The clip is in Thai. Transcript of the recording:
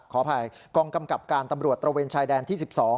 ขออภัยกองกำกับการตำรวจตระเวนชายแดนที่๑๒